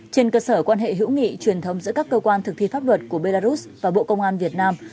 trên cơ sở quan hệ hữu nghị truyền thống giữa các cơ quan thực thi pháp luật của belarus và bộ công an việt nam